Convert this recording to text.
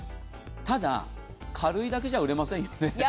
ただ、軽いだけじゃ売れませんよね。